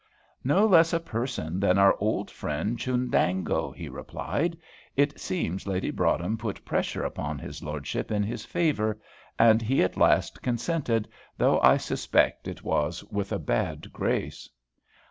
"No less a person than our old friend Chundango," he replied. "It seems Lady Broadhem put pressure upon his lordship in his favour, and he at last consented, though I suspect it was with a bad grace."